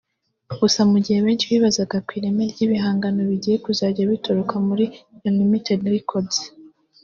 Gusa mu gihe benshi bibazaga ku ireme ry’ibihangano bigiye kuzajya bituruka muri Unlimited records